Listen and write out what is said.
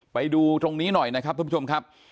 ไปดูตรงนี้หน่อยนะครับท่านผู้ชมครับ